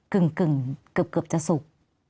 กึ่งกึบจะสุก